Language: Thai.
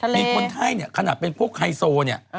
มีคนไข้เนี่ยขนาดเป็นพวกไฮโซเนี่ย